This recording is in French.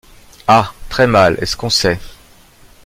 Ah! très mal, est-ce qu’on sait?...